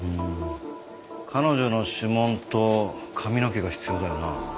彼女の指紋と髪の毛が必要だよな。